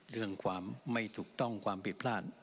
เรื่องความไม่ถูกต้องความผิดพลาด